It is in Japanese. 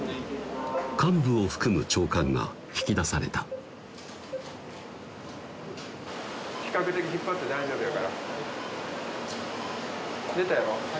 患部を含む腸管が引き出された比較的引っ張って大丈夫やから出たよ